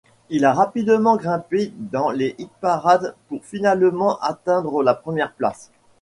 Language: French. Il a rapidement grimpé dans les hit-parades pour finalement atteindre la première place.